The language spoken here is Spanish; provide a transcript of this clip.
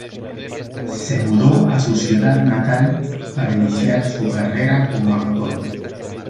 Se mudó a su ciudad natal para iniciar su carrera cómo actor.